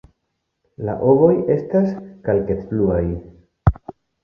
La ovoj estas kalkec-bluaj.